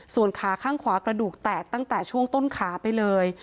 ส่วนขาข้างขวากระดูกแตกตั้งแต่ช่วงต้นขาไปเลย